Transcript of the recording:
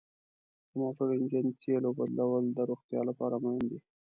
د موټر انجن تیلو بدلول د روغتیا لپاره مهم دي.